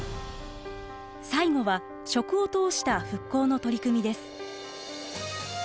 最後は食を通した復興の取り組みです。